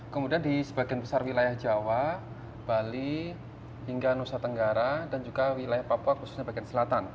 kemudian di sebagian besar wilayah jawa bali hingga nusa tenggara dan juga wilayah papua khususnya bagian selatan